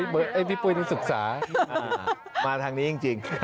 ครับพี่ปุ๋ยต้องศึกษานะครับมาทางนี้จริง